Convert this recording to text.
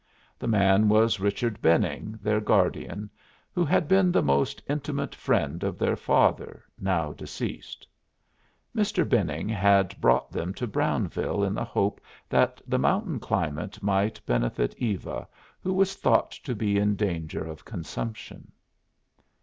The man was Richard Benning, their guardian, who had been the most intimate friend of their father, now deceased. Mr. Benning had brought them to Brownville in the hope that the mountain climate might benefit Eva, who was thought to be in danger of consumption.